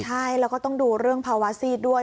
ใช่แล้วก็ต้องดูเรื่องภาวะซีดด้วย